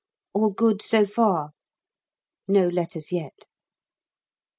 All good so far. No letters yet.